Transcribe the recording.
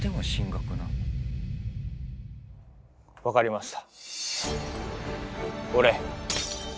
分かりました。